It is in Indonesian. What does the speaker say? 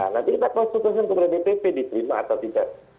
nah nanti kita konstitusi dpp diterima atau tidak